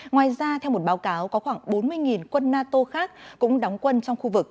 ngoài ra theo một báo cáo có khoảng bốn mươi quân nato khác cũng đóng quân trong khu vực